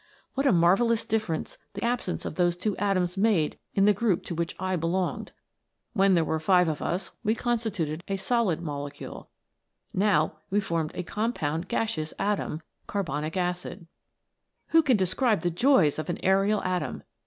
What a marvellous difference the absence of those two atoms made in the group to which I be longed. When there were five of us we consti tuted a solid molecule ; now we formed a compound gaseous atom.* " Who can describe the joys of an aerial atom